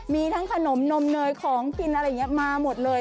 มีทั้งขนมนมเนยของกินอะไรอย่างนี้มาหมดเลย